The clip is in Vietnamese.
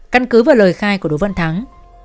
căn cứ vào lời khai của đỗ văn thắng